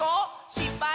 しっぱい？